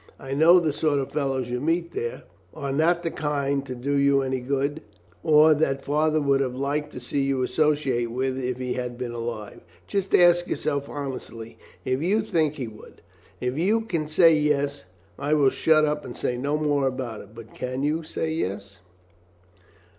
I know the sort of fellows you meet there are not the kind to do you any good, or that father would have liked to see you associate with if he had been alive. Just ask yourself honestly if you think he would. If you can say 'yes,' I will shut up and say no more about it; but can you say 'yes'?"